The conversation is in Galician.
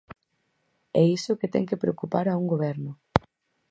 E iso é o que ten que preocupar a un goberno.